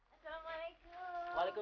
tapi pasti gak seganteng fatir gue